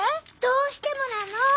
どうしてもなの！